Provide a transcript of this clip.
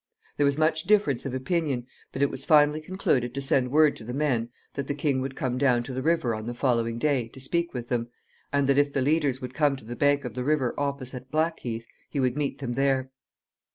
There was much difference of opinion, but it was finally concluded to send word to the men that the king would come down the river on the following day to speak with them, and that, if the leaders would come to the bank of the river opposite Blackheath, he would meet them there.